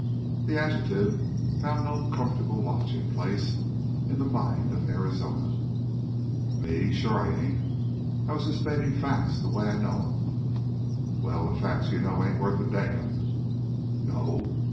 The adjective found no comfortable lodging place in the mind of Arizona. "Me? Sure I ain't. I'm just stating facts the way I know 'em." "Well, the facts you know ain't worth a damn." "No?"